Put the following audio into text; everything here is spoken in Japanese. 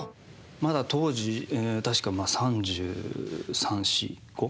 まだ当時確か３３３４３５？